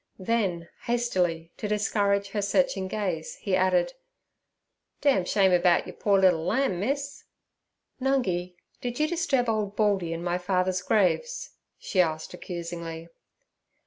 Then hastily to discourage her searching gaze he added, 'Dam shame about yer poor liddle lamb, Miss.' 'Nungi, did you disturb old Baldy and my father's graves?' she asked accusingly.